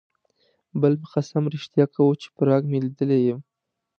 بل مې قسم رښتیا کاوه چې پراګ مې لیدلی یم.